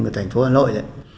của thành phố hà nội